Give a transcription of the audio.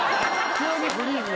急にフリーに。